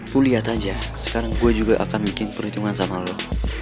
aku lihat aja sekarang gue juga akan bikin perhitungan sama lo